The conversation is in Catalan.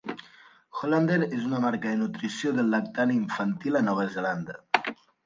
Hollander és una marca de nutrició del lactant i infantil a Nova Zelanda.